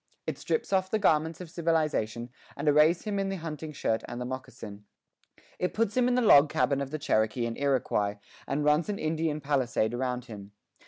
It strips off the garments of civilization and arrays him in the hunting shirt and the moccasin. It puts him in the log cabin of the Cherokee and Iroquois and runs an Indian palisade around him.